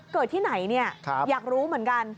เกิดที่ไหนเนี่ยอยากรู้เหมือนกัน